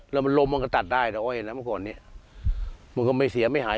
แล้วมันล้มมันก็ตัดได้แล้วอ้อยนะเมื่อก่อนเนี้ยมันก็ไม่เสียไม่หาย